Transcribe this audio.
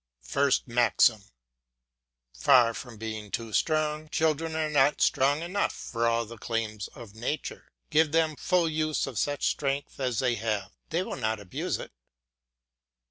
FIRST MAXIM. Far from being too strong, children are not strong enough for all the claims of nature. Give them full use of such strength as they have; they will not abuse it.